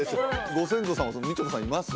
ご先祖様みちょぱさんいます？